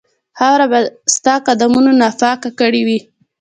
خاوره به ستا قدمونو ناپاکه کړې وي.